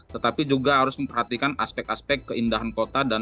tetapi juga harus memperhatikan aspek aspek keindahan kota